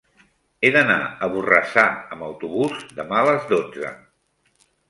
He d'anar a Borrassà amb autobús demà a les dotze.